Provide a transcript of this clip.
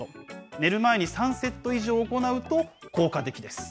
寝る前に３セット以上行うと効果的です。